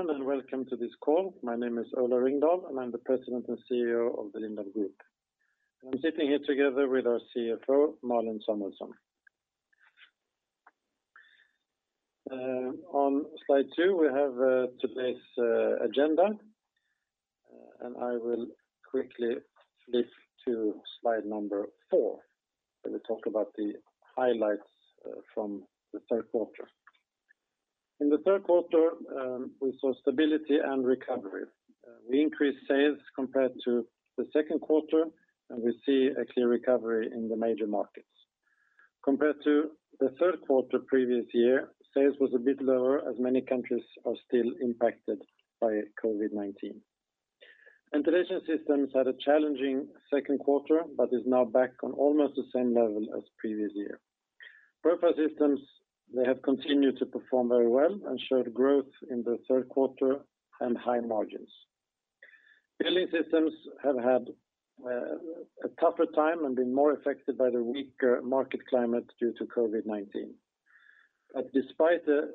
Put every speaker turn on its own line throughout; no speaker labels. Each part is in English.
Everyone, welcome to this call. My name is Ola Ringdahl, and I'm the President and CEO of the Lindab Group. I'm sitting here together with our CFO, Malin Samuelsson. On slide two, we have today's agenda. I will quickly flip to slide number four, where we talk about the highlights from the third quarter. In the third quarter, we saw stability and recovery. We increased sales compared to the second quarter, and we see a clear recovery in the major markets. Compared to the third quarter previous year, sales was a bit lower as many countries are still impacted by COVID-19. Ventilation Systems had a challenging second quarter, but is now back on almost the same level as previous year. Profile Systems, they have continued to perform very well and showed growth in the third quarter and high margins. Building Systems have had a tougher time and been more affected by the weaker market climate due to COVID-19. Despite the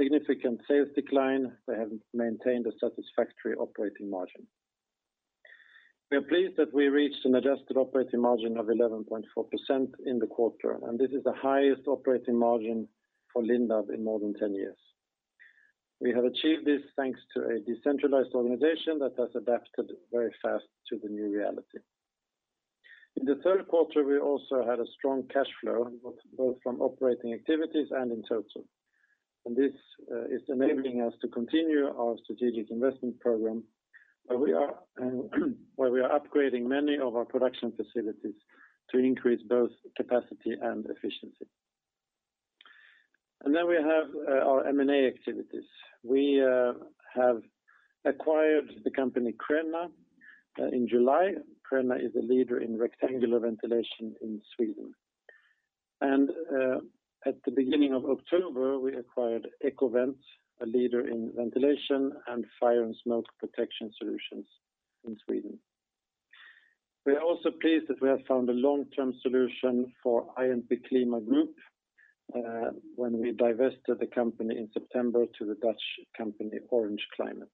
significant sales decline, they have maintained a satisfactory operating margin. We are pleased that we reached an adjusted operating margin of 11.4% in the quarter, this is the highest operating margin for Lindab in more than 10 years. We have achieved this thanks to a decentralized organization that has adapted very fast to the new reality. In the third quarter, we also had a strong cash flow, both from operating activities and in total. This is enabling us to continue our strategic investment program, where we are upgrading many of our production facilities to increase both capacity and efficiency. We have our M&A activities. We have acquired the company Crenna in July. Crenna is a leader in rectangular ventilation in Sweden. At the beginning of October, we acquired Ekovent, a leader in ventilation and fire and smoke protection solutions in Sweden. We are also pleased that we have found a long-term solution for IMP Klima Group when we divested the company in September to the Dutch company Orange Climate.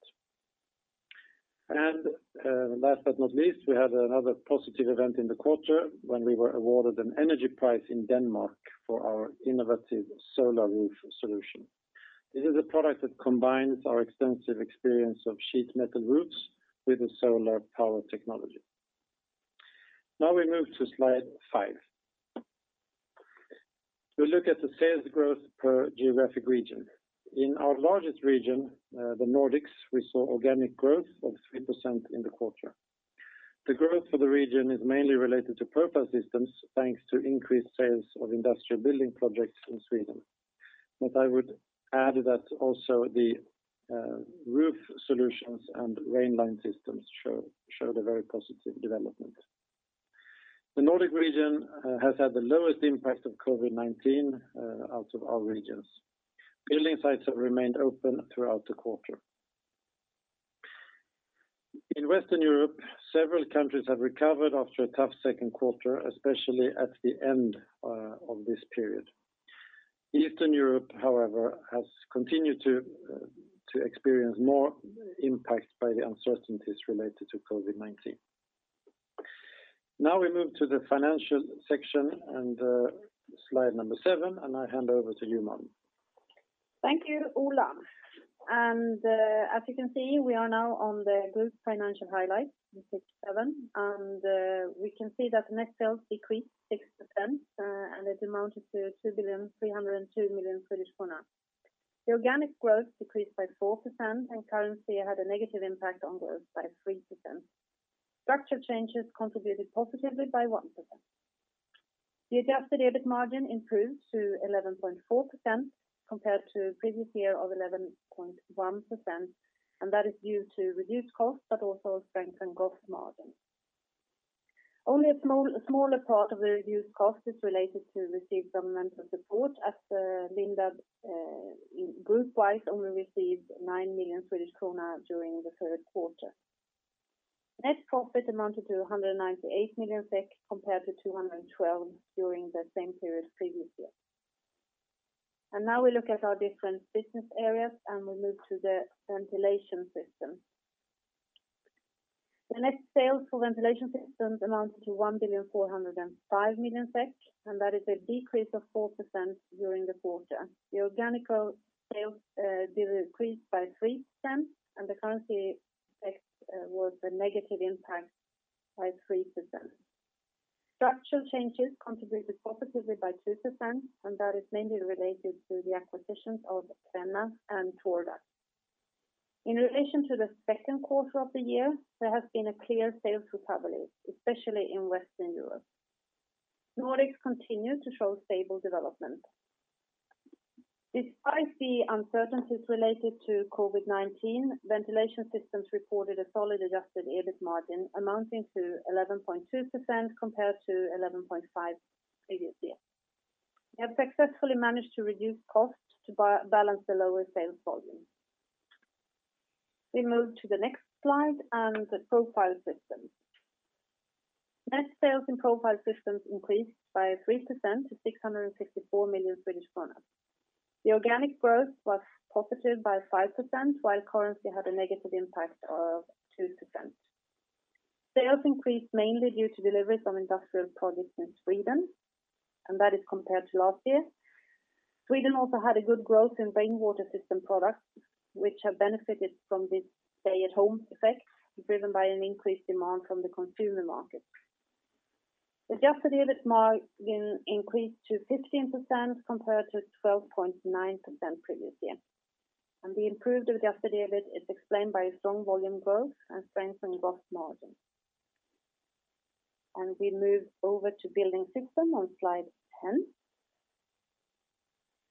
Last but not least, we had another positive event in the quarter when we were awarded an energy prize in Denmark for our innovative solar roof solution. This is a product that combines our extensive experience of sheet metal roofs with a solar power technology. Now we move to slide five. We look at the sales growth per geographic region. In our largest region, the Nordics, we saw organic growth of 3% in the quarter. The growth for the region is mainly related to Profile Systems, thanks to increased sales of industrial building projects in Sweden. I would add that also the roof solutions and Rainline systems showed a very positive development. The Nordic region has had the lowest impact of COVID-19 out of our regions. Building sites have remained open throughout the quarter. In Western Europe, several countries have recovered after a tough second quarter, especially at the end of this period. Eastern Europe, however, has continued to experience more impact by the uncertainties related to COVID-19. Now we move to the financial section and slide number seven, and I hand over to you, Malin.
Thank you, Ola. As you can see, we are now on the group financial highlights in six, seven, we can see that net sales decreased 6%, it amounted to 2,302 million. The organic growth decreased by 4%, currency had a negative impact on growth by 3%. Structural changes contributed positively by 1%. The adjusted EBIT margin improved to 11.4% compared to previous year of 11.1%, that is due to reduced costs, but also strengthened gross margin. Only a smaller part of the reduced cost is related to received governmental support as Lindab Group-wise only received 9 million Swedish krona during the third quarter. Net profit amounted to 198 million SEK compared to 212 million during the same period previous year. Now we look at our different business areas, we move to the Ventilation Systems. The net sales for Ventilation Systems amounted to 1,405 million SEK, that is a decrease of 4% during the quarter. The organic sales decreased by 3%, the currency effect was a negative impact by 3%. Structural changes contributed positively by 2%, that is mainly related to the acquisitions of Crenna and Torda. In relation to the second quarter of the year, there has been a clear sales recovery, especially in Western Europe. Nordics continue to show stable development. Despite the uncertainties related to COVID-19, Ventilation Systems reported a solid adjusted EBIT margin amounting to 11.2% compared to 11.5% previous year. We have successfully managed to reduce costs to balance the lower sales volume. We move to the next slide and the Profile Systems. Net sales in Profile Systems increased by 3% to 664 million Swedish kronor. The organic growth was positive by 5%, while currency had a negative impact of 2%. Sales increased mainly due to deliveries on industrial projects in Sweden, that is compared to last year. Sweden also had a good growth in rainwater system products, which have benefited from this stay-at-home effect, driven by an increased demand from the consumer market. The adjusted EBIT margin increased to 15% compared to 12.9% previous year. The improved adjusted EBIT is explained by strong volume growth and strength in gross margin. We move over to Building Systems on slide 10,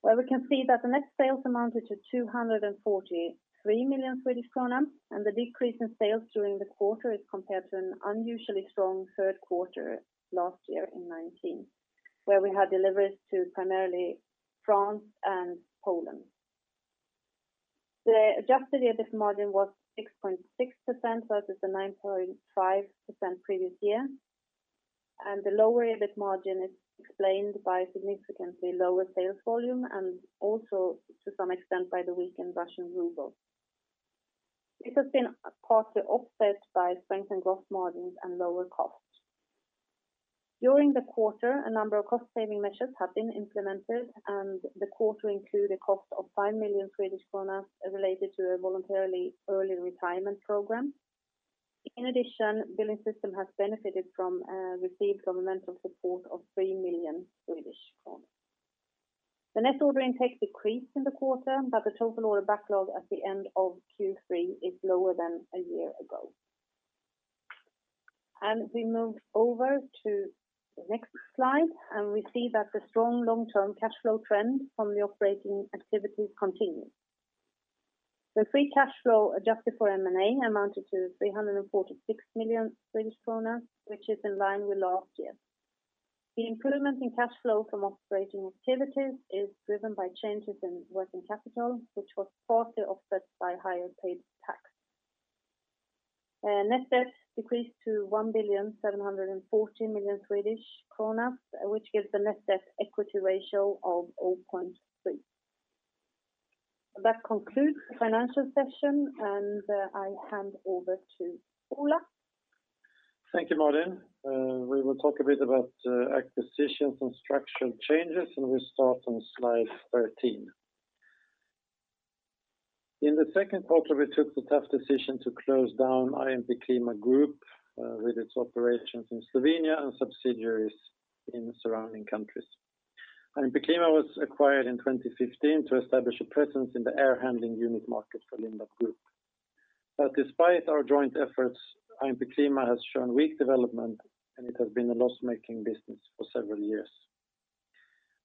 where we can see that the net sales amounted to 243 million Swedish kronor, and the decrease in sales during the quarter is compared to an unusually strong third quarter last year in 2019, where we had deliveries to primarily France and Poland. The adjusted EBIT margin was 6.6%, versus the 9.5% previous year. The lower EBIT margin is explained by significantly lower sales volume and also, to some extent, by the weakened Russian ruble. This has been partly offset by strengthened gross margins and lower costs. During the quarter, a number of cost-saving measures have been implemented, and the quarter include a cost of 5 million Swedish kronor related to a voluntarily early retirement program. In addition, Building Systems has benefited from a received governmental support of 3 million Swedish kronor. The net order intake decreased in the quarter, but the total order backlog at the end of Q3 is lower than a year ago. We move over to the next slide, and we see that the strong long-term cash flow trend from the operating activities continues. The free cash flow adjusted for M&A amounted to 346 million Swedish kronor, which is in line with last year. The improvement in cash flow from operating activities is driven by changes in working capital, which was partly offset by higher paid tax. Net debt decreased to 1,740 million Swedish kronor, which gives the net debt/equity ratio of 0.3. That concludes the financial session. I hand over to Ola.
Thank you, Malin. We will talk a bit about acquisitions and structural changes, we start on slide 13. In the second quarter, we took the tough decision to close down IMP Klima Group, with its operations in Slovenia and subsidiaries in surrounding countries. IMP Klima was acquired in 2015 to establish a presence in the air-handling unit market for Lindab Group. Despite our joint efforts, IMP Klima has shown weak development, and it has been a loss-making business for several years.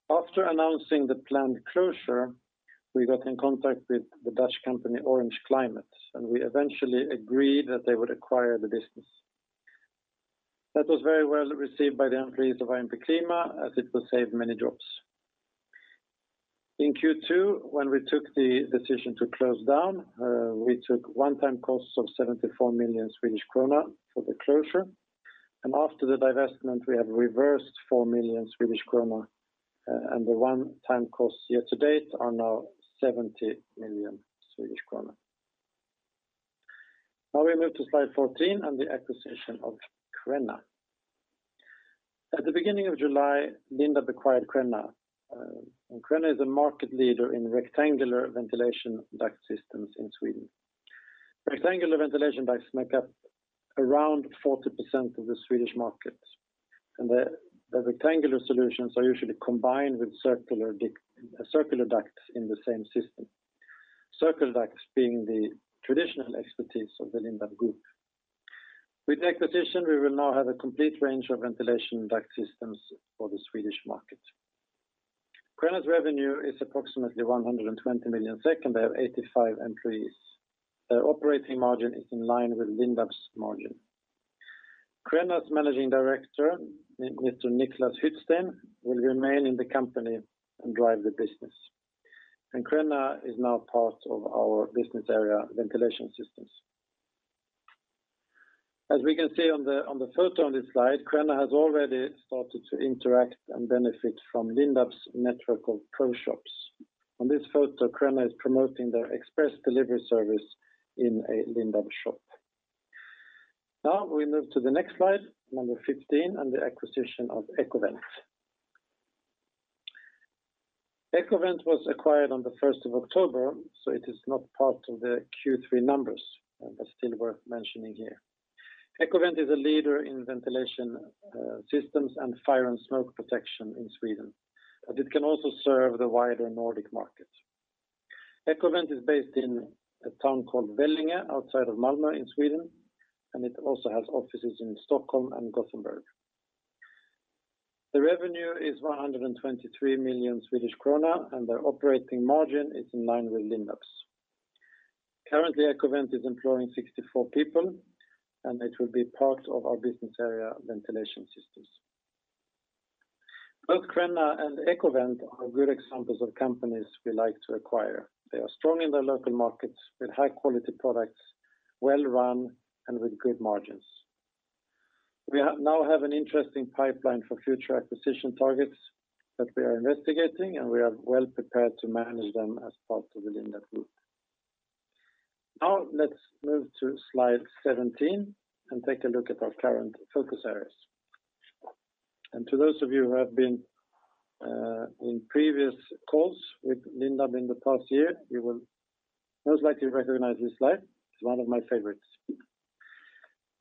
After announcing the planned closure, we got in contact with the Dutch company Orange Climate, we eventually agreed that they would acquire the business. That was very well received by the employees of IMP Klima, as it will save many jobs. In Q2, when we took the decision to close down, we took one-time costs of 74 million Swedish krona for the closure, and after the divestment, we have reversed 4 million Swedish krona, and the one-time costs year to date are now 70 million Swedish krona. Now we move to slide 14 and the acquisition of Crenna. At the beginning of July, Lindab acquired Crenna. Crenna is a market leader in rectangular ventilation duct systems in Sweden. Rectangular ventilation ducts make up around 40% of the Swedish market. The rectangular solutions are usually combined with circular ducts in the same system, circular ducts being the traditional expertise of the Lindab Group. With the acquisition, we will now have a complete range of ventilation duct systems for the Swedish market. Crenna's revenue is approximately 120 million SEK and they have 85 employees. Their operating margin is in line with Lindab's margin. Crenna's Managing Director, Mr. Niklas Hyttsten, will remain in the company and drive the business. Crenna is now part of our business area Ventilation Systems. As we can see on the photo on this slide, Crenna has already started to interact and benefit from Lindab's network of pro shops. On this photo, Crenna is promoting their express delivery service in a Lindab shop. Now we move to the next slide, number 15, and the acquisition of Ekovent. Ekovent was acquired on the 1st of October, so it is not part of the Q3 numbers, but still worth mentioning here. Ekovent is a leader in ventilation systems and fire and smoke protection in Sweden, but it can also serve the wider Nordic market. Ekovent is based in a town called Vellinge, outside of Malmö in Sweden, and it also has offices in Stockholm and Gothenburg. The revenue is 123 million Swedish krona, and their operating margin is in line with Lindab's. Currently, Ekovent is employing 64 people, and it will be part of our business area Ventilation Systems. Both Crenna and Ekovent are good examples of companies we like to acquire. They are strong in their local markets with high-quality products, well-run, and with good margins. We now have an interesting pipeline for future acquisition targets that we are investigating, and we are well-prepared to manage them as part of the Lindab Group. Let's move to slide 17 and take a look at our current focus areas. To those of you who have been in previous calls with Lindab in the past year, you will most likely recognize this slide. It's one of my favorites.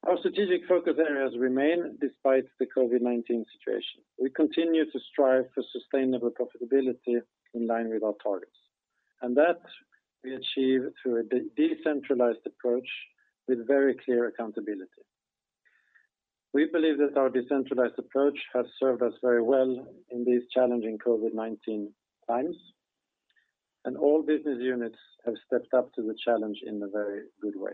Our strategic focus areas remain despite the COVID-19 situation. We continue to strive for sustainable profitability in line with our targets. And that we achieve through a decentralized approach with very clear accountability. We believe that our decentralized approach has served us very well in these challenging COVID-19 times, and all business units have stepped up to the challenge in a very good way.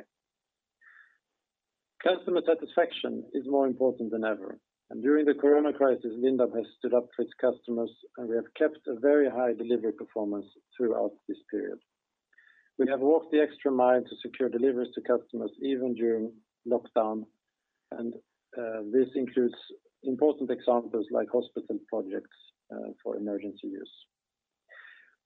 Customer satisfaction is more important than ever, and during the corona crisis, Lindab has stood up for its customers, and we have kept a very high delivery performance throughout this period. We have walked the extra mile to secure deliveries to customers even during lockdown, and this includes important examples like hospital projects for emergency use.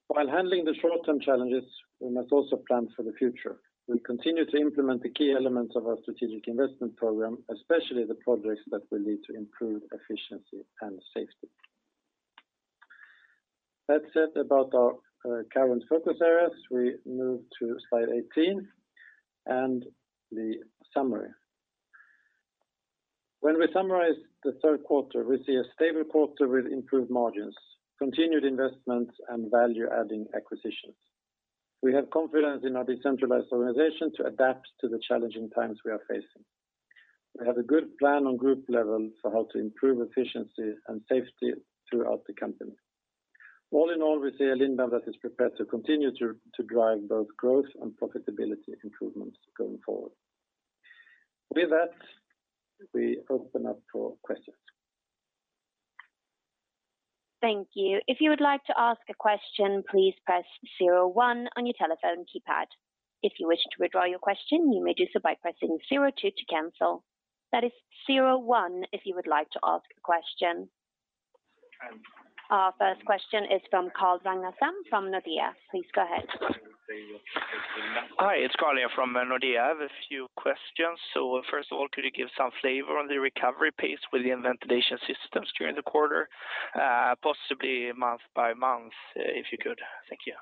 While handling the short-term challenges, we must also plan for the future. We continue to implement the key elements of our strategic investment program, especially the projects that will lead to improved efficiency and safety. That said about our current focus areas, we move to slide 18 and the summary. When we summarize the third quarter, we see a stable quarter with improved margins, continued investments, and value-adding acquisitions. We have confidence in our decentralized organization to adapt to the challenging times we are facing. We have a good plan on group level for how to improve efficiency and safety throughout the company. All in all, we see a Lindab that is prepared to continue to drive both growth and profitability improvements going forward. With that, we open up for questions.
Thank you, if you would like to ask a question please press zero one on your telephone keypad. If you wish to withdraw your question you may do so by pressing zero two to cancel that is zero one if you would like to ask question. Our first question is from Carl Ragnerstam from Nordea. Please go ahead.
Hi, it's Carl from Nordea. I have a few questions. First of all, could you give some flavor on the recovery pace within Ventilation Systems during the quarter, possibly month by month, if you could? Thank you.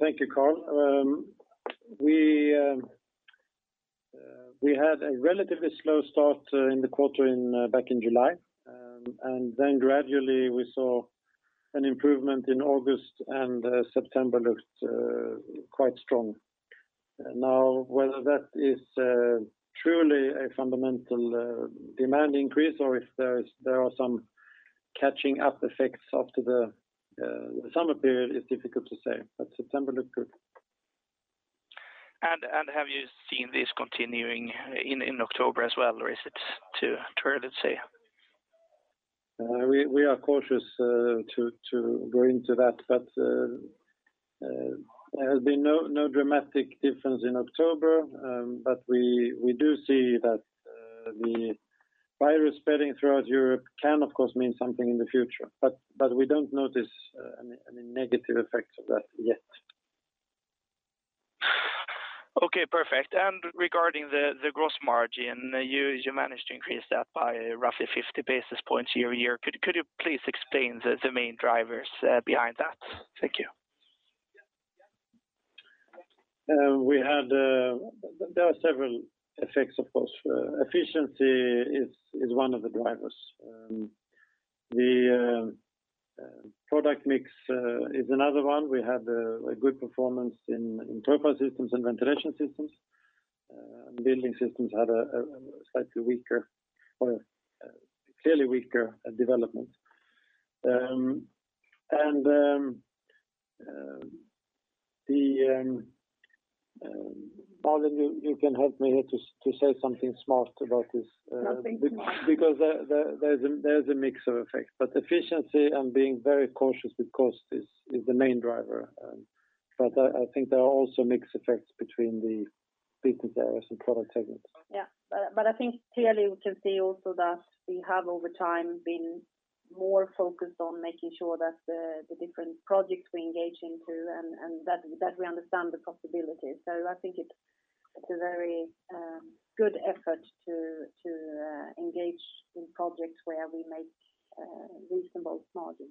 Thank you, Carl. We had a relatively slow start in the quarter back in July, and then gradually we saw an improvement in August, and September looked quite strong. Now, whether that is truly a fundamental demand increase or if there are some catching up effects after the summer period is difficult to say, but September looked good.
Have you seen this continuing in October as well, or is it too early to say?
We are cautious to go into that, but there has been no dramatic difference in October, but we do see that the virus spreading throughout Europe can, of course, mean something in the future, but we don't notice any negative effects of that yet.
Okay, perfect. Regarding the gross margin, you managed to increase that by roughly 50 basis points year-over-year. Could you please explain the main drivers behind that? Thank you.
There are several effects, of course. Efficiency is one of the drivers. The product mix is another one. We had a good performance in Profile Systems and Ventilation Systems. Building Systems had a slightly weaker, or clearly weaker development. Malin, you can help me here to say something smart about this.
Nothing smart.
There's a mix of effects, but efficiency and being very cautious with cost is the main driver. I think there are also mix effects between the business areas and product segments.
I think clearly we can see also that we have, over time, been more focused on making sure that the different projects we engage into, and that we understand the possibilities. I think it's a very good effort to engage in projects where we make reasonable margins.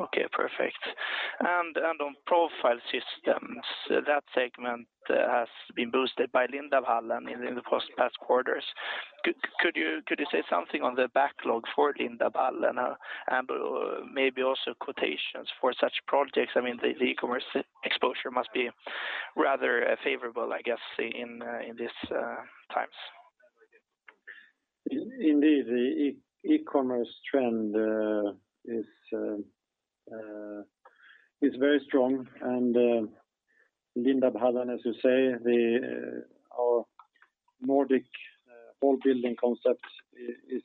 Okay, perfect. On Profile Systems, that segment has been boosted by Lindab Hallen in the past quarters. Could you say something on the backlog for Lindab Hallen and maybe also quotations for such projects? The e-commerce exposure must be rather favorable, I guess, in these times.
Indeed, the e-commerce trend is very strong and Lindab Hallen, as you say, our Nordic whole building concept is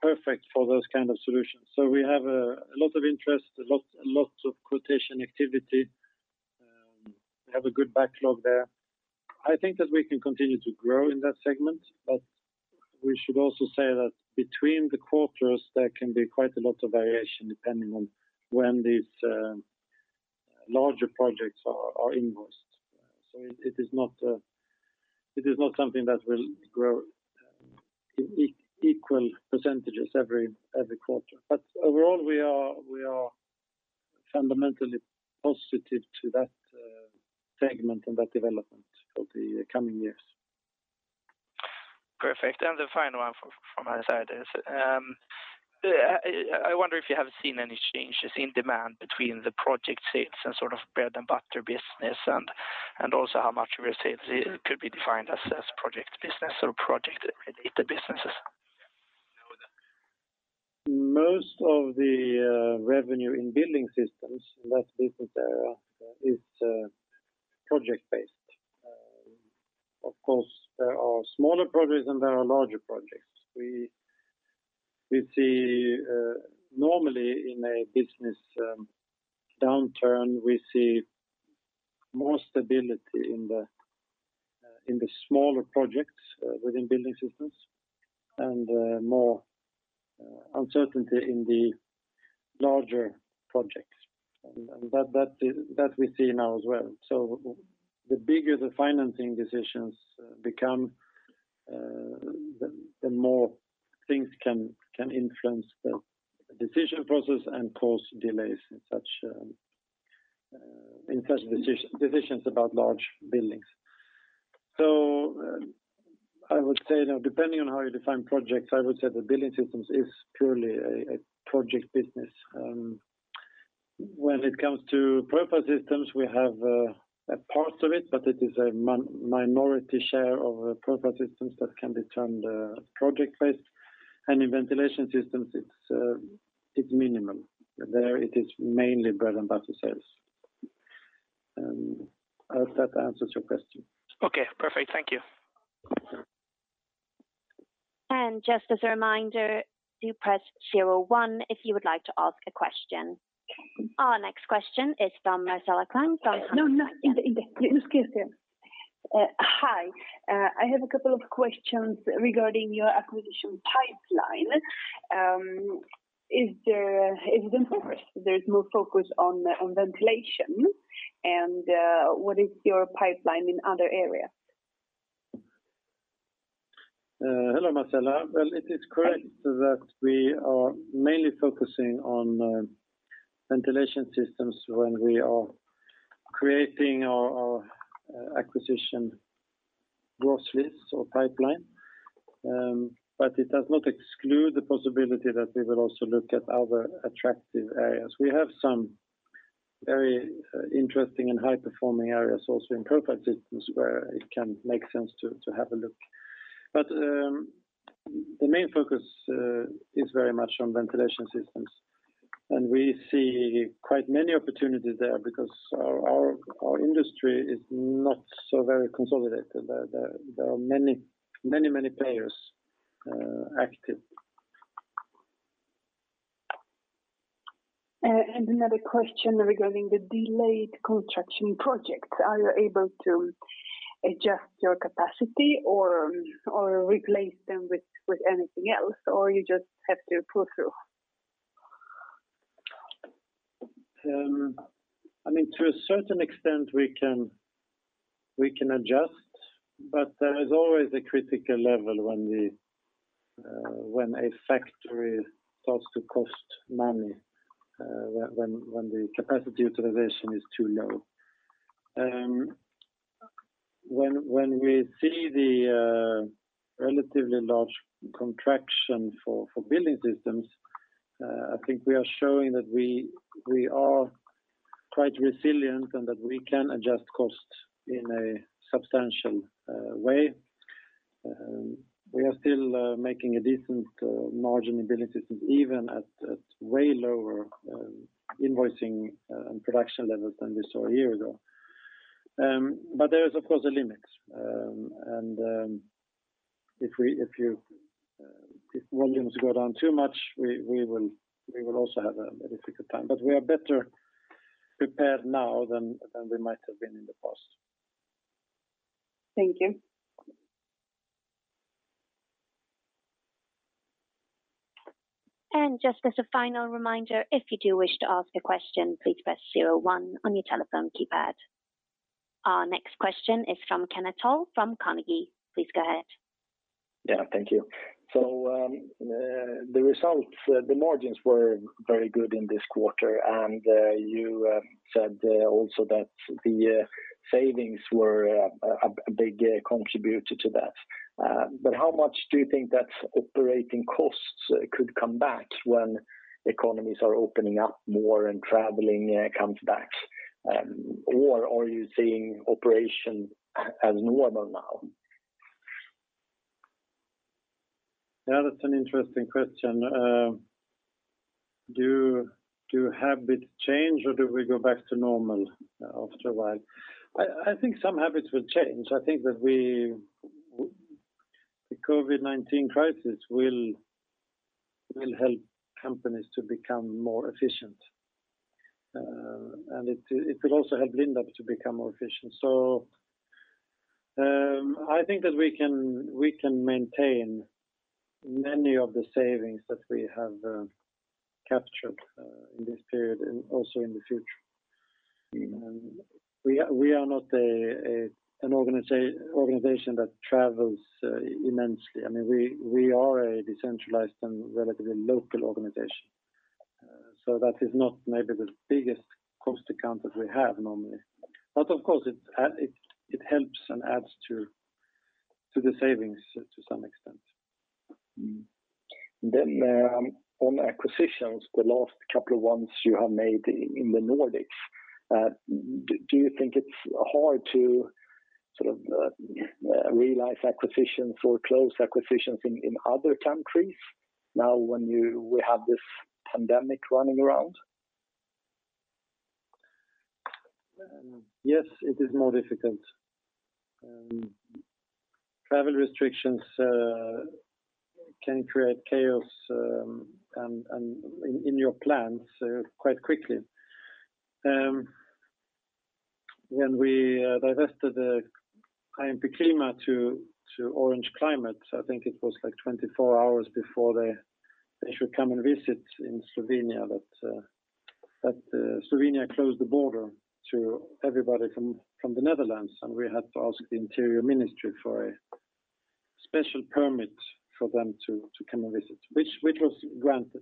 perfect for those kind of solutions. We have a lot of interest, lots of quotation activity. We have a good backlog there. I think that we can continue to grow in that segment, but we should also say that between the quarters, there can be quite a lot of variation depending on when these larger projects are invoiced. It is not something that will grow in equal percentages every quarter. Overall, we are fundamentally positive to that segment and that development for the coming years.
Perfect. The final one from my side is, I wonder if you have seen any changes in demand between the project sales and sort of bread-and-butter business and also how much of your sales could be defined as project business or project-related businesses?
Most of the revenue in Building Systems, that business area is project-based. Of course, there are smaller projects and there are larger projects. Normally in a business downturn, we see more stability in the smaller projects within Building Systems and more uncertainty in the larger projects. That we see now as well. The bigger the financing decisions become, the more things can influence the decision process and cause delays in such decisions about large buildings. I would say now, depending on how you define projects, I would say that Building Systems is purely a project business. When it comes to Profile Systems, we have a part of it, but it is a minority share of Profile Systems that can be termed project-based. In Ventilation Systems, it's minimal. There it is mainly bread-and-butter sales. I hope that answers your question.
Okay, perfect. Thank you.
Just as a reminder, do press zero one if you would like to ask a question. Our next question is from Marcella Klein. [inaudible]
Hi, I have a couple of questions regarding your acquisition pipeline. Is it on course? There's more focus on ventilation, and what is your pipeline in other areas?
Hello, Marcella. Well, it is correct that we are mainly focusing on Ventilation Systems when we are creating our acquisition gross lists or pipeline. It does not exclude the possibility that we will also look at other attractive areas. We have some very interesting and high-performing areas also in Profile Systems where it can make sense to have a look. The main focus is very much on Ventilation Systems, and we see quite many opportunities there because our industry is not so very consolidated. There are many players active.
Another question regarding the delayed construction projects. Are you able to adjust your capacity or replace them with anything else, or you just have to pull through?
To a certain extent we can adjust, but there is always a critical level when a factory starts to cost money when the capacity utilization is too low. When we see the relatively large contraction for Building Systems, I think we are showing that we are quite resilient and that we can adjust costs in a substantial way. We are still making a decent margin in Building Systems even at way lower invoicing and production levels than we saw a year ago. But there is, of course, a limit. If volumes go down too much, we will also have a very difficult time, but we are better prepared now than we might have been in the past.
Thank you.
Just as a final reminder, if you do wish to ask a question, please press zero one on your telephone keypad. Our next question is from Kenneth Toll from Carnegie. Please go ahead.
Yeah, thank you. The margins were very good in this quarter, and you said also that the savings were a big contributor to that. How much do you think that operating costs could come back when economies are opening up more and traveling comes back? Are you seeing operation as normal now?
That's an interesting question. Do habits change, or do we go back to normal after a while? I think some habits will change. I think that the COVID-19 crisis will help companies to become more efficient. It will also help Lindab to become more efficient. I think that we can maintain many of the savings that we have captured in this period, and also in the future. We are not an organization that travels immensely. We are a decentralized and relatively local organization. That is not maybe the biggest cost account that we have normally. Of course, it helps and adds to the savings to some extent.
On acquisitions, the last couple of ones you have made in the Nordics, do you think it's hard to realize acquisitions or close acquisitions in other countries now when we have this pandemic running around?
Yes, it is more difficult. Travel restrictions can create chaos in your plans quite quickly. When we divested IMP Klima to Orange Climate, I think it was 24 hours before they should come and visit in Slovenia, but Slovenia closed the border to everybody from the Netherlands, and we had to ask the interior ministry for a special permit for them to come and visit, which was granted.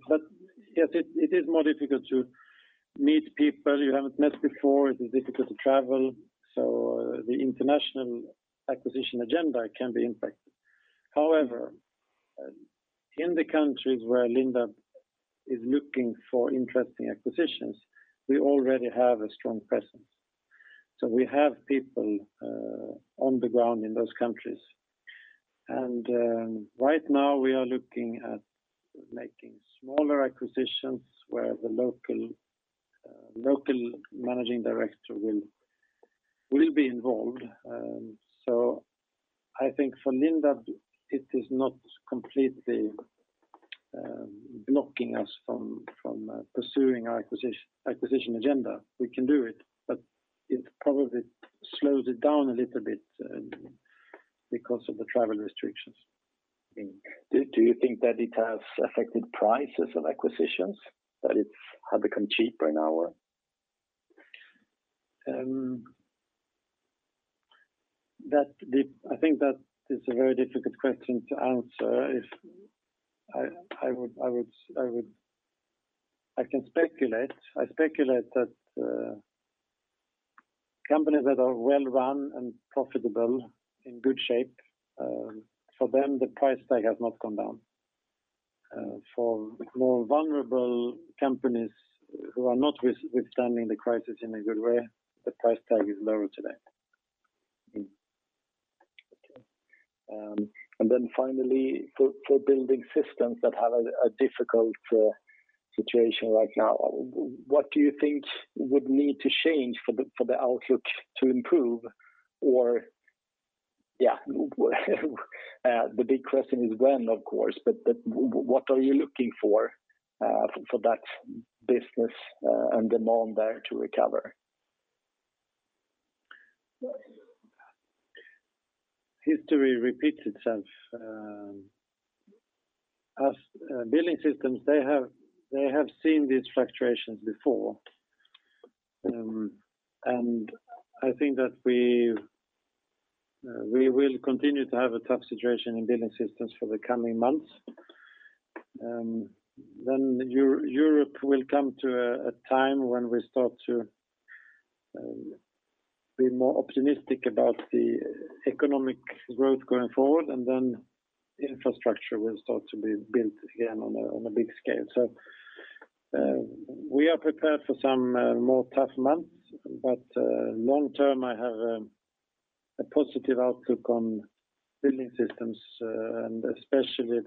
Yes, it is more difficult to meet people you haven't met before. It is difficult to travel, so the international acquisition agenda can be impacted. However, in the countries where Lindab is looking for interesting acquisitions, we already have a strong presence. We have people on the ground in those countries. And right now we are looking at making smaller acquisitions where the local managing director will be involved. I think for Lindab, it is not completely blocking us from pursuing our acquisition agenda. We can do it, but it probably slows it down a little bit because of the travel restrictions.
Do you think that it has affected prices of acquisitions, that it's become cheaper now?
I think that is a very difficult question to answer. I can speculate. I speculate that companies that are well-run and profitable, in good shape, for them the price tag has not gone down. For more vulnerable companies who are not withstanding the crisis in a good way, the price tag is lower today.
Okay. Finally, for Building Systems that have a difficult situation right now, what do you think would need to change for the outlook to improve or yeah, the big question is when, of course, but what are you looking for that business and demand there to recover?
History repeats itself. As Building Systems, they have seen these fluctuations before. I think that we will continue to have a tough situation in Building Systems for the coming months. Europe will come to a time when we start to be more optimistic about the economic growth going forward, and then infrastructure will start to be built again on a big scale. We are prepared for some more tough months, but long term, I have a positive outlook on Building Systems, and especially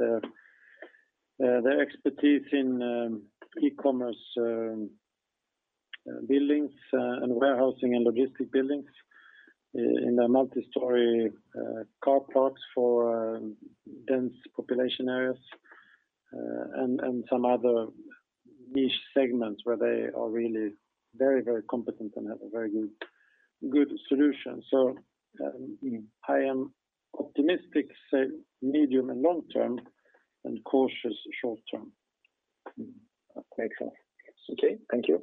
their expertise in e-commerce buildings and warehousing and logistic buildings in the multi-story car parks for dense population areas, and some other niche segments where they are really very competent and have a very good solution. I am optimistic medium and long term, and cautious short term.
Makes sense. Okay. Thank you.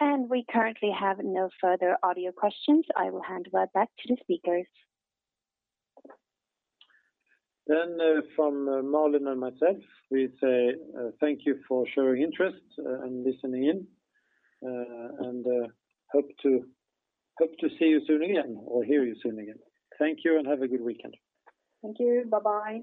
We currently have no further audio questions. I will hand it back to the speakers.
From Malin and myself, we say thank you for showing interest and listening in, and hope to see you soon again or hear you soon again. Thank you and have a good weekend.
Thank you. Bye-bye.